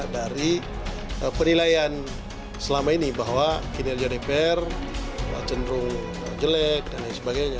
dari penilaian selama ini bahwa kinerja dpr cenderung jelek dan lain sebagainya